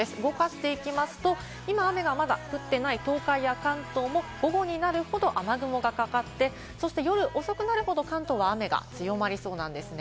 動かしていきますと、今、雨がまだ降っていない東海や関東も午後になるほど雨雲がかかって、夜遅くなるほど関東は雨が強まりそうなんですね。